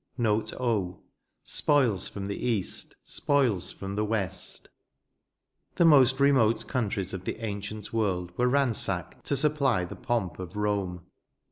Note 0. '' Spoils from the east, spoils from the west The most remote countries of the ancient world were ransacked to supply the pomp of Rome.